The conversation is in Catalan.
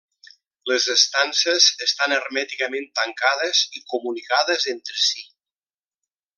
Les estances estan hermèticament tancades i comunicades entre si.